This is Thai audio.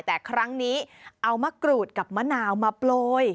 แต่ครั้งนี้เอามะกรูดกับมะนาวมาโปรย